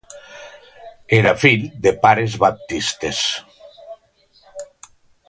Era fill de pares baptistes.